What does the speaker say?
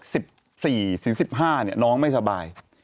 สิบสี่ถึงสิบห้าเนี่ยน้องไม่สบาย